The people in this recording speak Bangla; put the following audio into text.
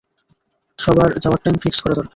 সবার যাওয়ার টাইম, ফিক্স করা দরকার।